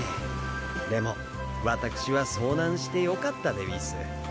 でも私は遭難してよかったでうぃす。